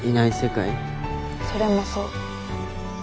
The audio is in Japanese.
それもそう。